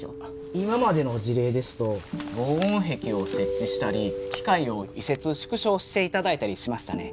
今までの事例ですと防音壁を設置したり機械を移設縮小していただいたりしましたね。